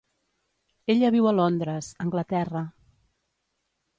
Ella viu a Londres, Anglaterra.